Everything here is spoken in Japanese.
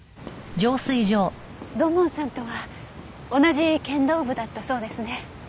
土門さんとは同じ剣道部だったそうですね。